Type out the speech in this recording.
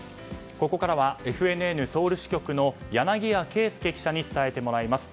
ここからはＦＮＮソウル支局の柳谷圭亮記者に伝えてもらいます。